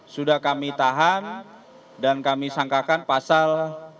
sudah kami tahan dan kami sangkakan pasal tiga ratus enam puluh tiga